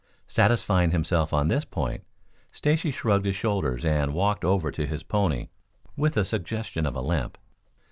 Satisfying himself on this point, Stacy shrugged his shoulders and walked over to his pony with a suggestion of a limp.